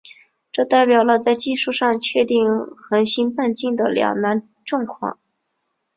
这代表了在技术上确定恒星半径的两难状况。